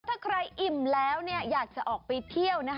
ถ้าใครอิ่มแล้วอยากให้ออกไปเที่ยว